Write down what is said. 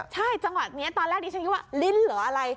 ใช่จังหวะตอนแรกนี้ฉันคิดว่าลิ้นหรืออะไร